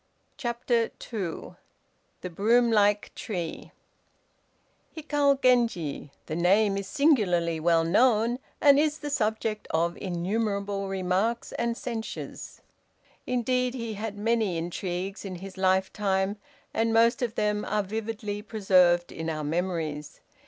] CHAPTER II THE BROOM LIKE TREE Hikal Genji the name is singularly well known, and is the subject of innumerable remarks and censures. Indeed, he had many intrigues in his lifetime, and most of them are vividly preserved in our memories.